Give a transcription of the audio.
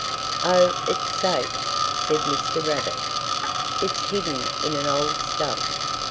"Oh, it's safe," said Mr. Rabbit. "It's hidden in an old stump.